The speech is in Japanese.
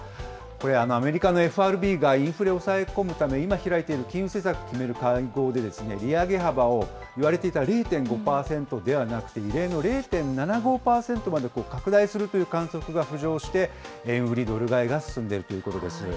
これ、アメリカのＦＲＢがインフレを抑え込むため、今開いている金融政策を決める会合で、利上げ幅をいわれていた０．５％ではなくて、異例の０．７５％まで拡大するという観測が浮上して、円売りドル買いが進んでいるということです。